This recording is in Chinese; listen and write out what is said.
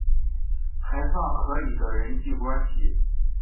还算合理的人际关系